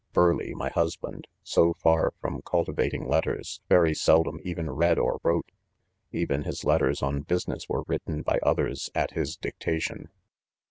Burleigh, my husband, so far from culti vating letters, very seldom even read or wrote 5 even his letters on business were written by others at his dictation.